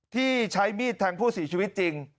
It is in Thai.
ที่ใช้มีดแทงผู้เสียชีวิตจริง